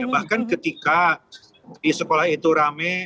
bahkan ketika di sekolah itu rame